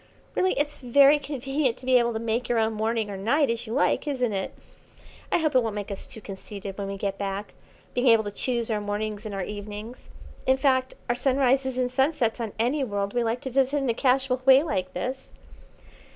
Really, it's very convenient to be able to make your own morning or night as you like, isn't it? I hope it won't make us too conceited when we get back, being able to choose our mornings and our evenings; in fact, our sunrises and sunsets on any world we like to visit in a casual way like this."